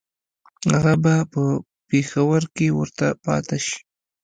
هغه به په پېښور کې ورته پاته شي.